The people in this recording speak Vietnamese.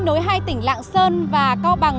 nối hai tỉnh lạng sơn và cao bằng